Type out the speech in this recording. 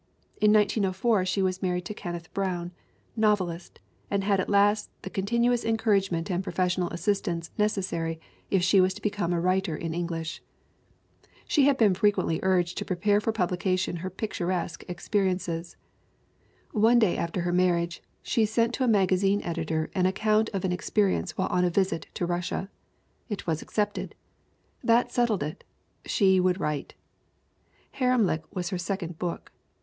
In 1904 she was married to Kenneth Brown, novelist, and had at last the continuous encouragement and professional as sistance' necessary if she was to become a writer in English. She had been frequently urged to prepare for publication her picturesque experiences. One day after her marriage she sent to a magazine editor an account of an experience while on a visit to Russia. It was accepted. That settled it. She would write. Haremlik was her second book.